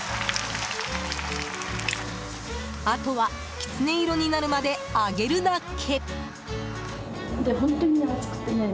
あとはキツネ色になるまで揚げるだけ！